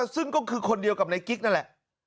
ซึ่งก็คือคนเดียวกับในกิ๊กนั่นแหละ